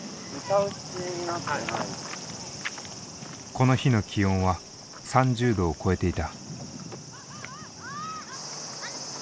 この日の気温は３０℃を超えていた。